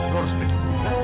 lo harus pergi